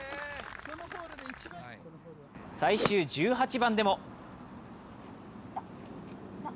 最終１８番でも。